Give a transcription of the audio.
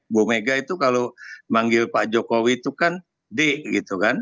bu mega itu kalau manggil pak jokowi itu kan d gitu kan